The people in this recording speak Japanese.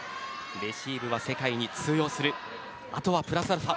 レシーブは世界に通用するあとはプラスアルファ